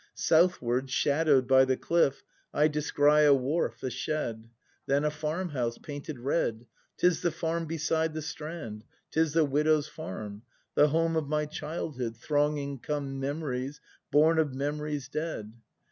Southward, shadow'd by the cliff, I descry a wharf, a shed. Then, a farm house, painted red. — 'Tis the farm beside the strand! 'Tis the widow's farm. The home Of my childhood. Thronging come Memories born of memories dead.